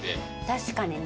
確かにね。